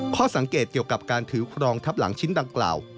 ข้อสังเกตเกี่ยวกับการถือครองทับหลังชิ้นดังกล่าว